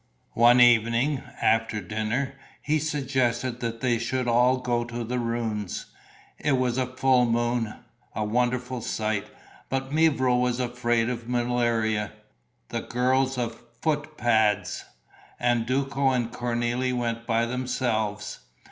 One evening, after dinner, he suggested that they should all go to the ruins. It was full moon, a wonderful sight. But mevrouw was afraid of malaria, the girls of foot pads; and Duco and Cornélie went by themselves.